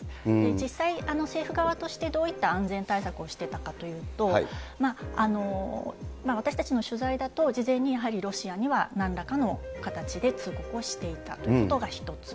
実際、政府側としてどういった安全対策をしてたかというと、私たちの取材だと、事前にやはりロシアにはなんらかの形で通告をしていたということが１つ。